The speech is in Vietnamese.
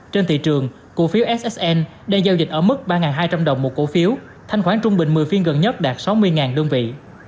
trên thị trường cổ phiếu sxn đang giao dịch ở mức ba hai trăm linh đồng một cổ phiếu thanh khoản trung bình một mươi phiên gần nhất đạt sáu mươi đơn vị